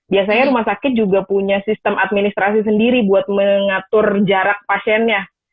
biasanya rumah sakit juga punya sistem administrasi sendiri buat mengatur jarak pasiennya